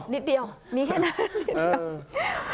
นิดเดียวมีแค่นั้นนิดเดียว